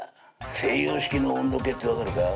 西洋式の温度計って分かるか？